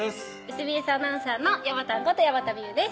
「ＳＢＳアナウンサーのやばたんこと矢端名結です」